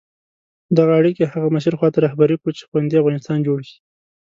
دغه اړیکي هغه مسیر خواته رهبري کړو چې خوندي افغانستان جوړ شي.